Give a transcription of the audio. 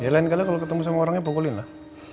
lain kali kalau ketemu sama orangnya pokokin lah